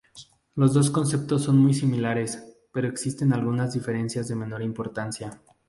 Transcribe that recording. Los dos conceptos son muy similares, pero existen algunas diferencias de menor importancia.